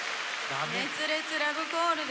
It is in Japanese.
熱烈ラブコールです。